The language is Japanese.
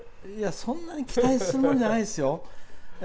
そんなに期待するもんじゃないですよ。